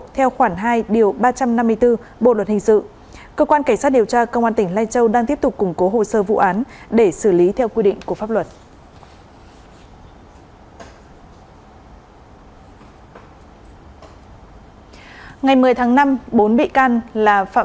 theo khoảng hai ba trăm năm mươi bốn bộ luật hình sự cơ quan cảnh sát điều tra công an tỉnh lai châu đang tiếp tục củng cố hồ sơ vụ án để xử lý theo quy định của pháp luật